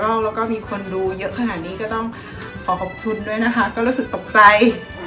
แล้วก็มีคนดูเยอะขนาดนี้ก็ต้องขอขอบคุณด้วยนะคะก็รู้สึกตกใจ